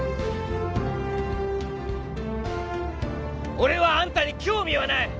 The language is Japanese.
俺はアンタに興味はない！